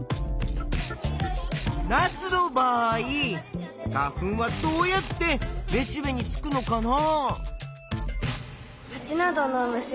ナスの場合花粉はどうやってめしべにつくのかな？